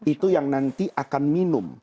itu yang nanti akan minum